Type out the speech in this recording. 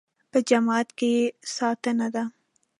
په جماعت کې یې ستانه ده.